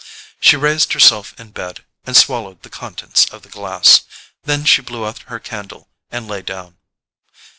She raised herself in bed and swallowed the contents of the glass; then she blew out her candle and lay down.